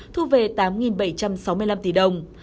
thu về tám bảy trăm sáu mươi năm tỷ đồng